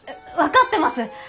分かってます！